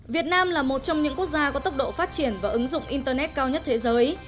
việt nam là một trong những quốc gia có tốc độ phát triển và ứng dụng internet cao nhất thế giới